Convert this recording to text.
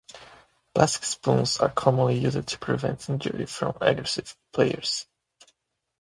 Plastic spoons are commonly used to prevent injury from aggressive players.